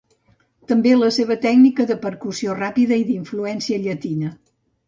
També la seva tècnica de percussió ràpida i d'influència llatina.